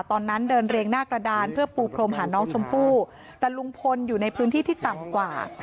ตอนนั้นเดินเรียงหน้ากระดานเพื่อปูพรมหาน้องชมพู่แต่ลุงพลอยู่ในพื้นที่ที่ต่ำกว่า